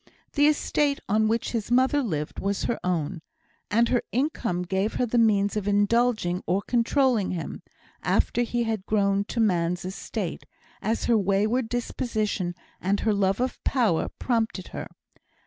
The estate on which his mother lived was her own; and her income gave her the means of indulging or controlling him, after he had grown to man's estate, as her wayward disposition and her love of power prompted her.